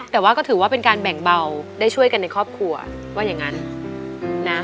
แต่ว่าก็ถือว่าเป็นการแบ่งเบาได้ช่วยกันในครอบครัวว่าอย่างนั้นนะ